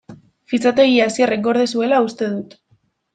Fitxategia Asierrek gorde zuela uste dut.